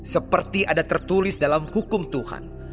seperti ada tertulis dalam hukum tuhan